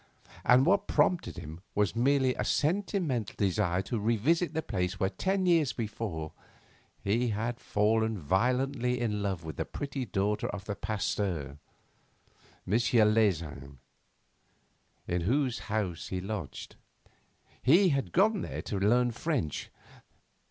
And what prompted him was merely a sentimental desire to revisit the place where ten years before he had fallen violently in love with the pretty daughter of the Pasteur, M. Leysin, in whose house he lodged. He had gone there to learn French.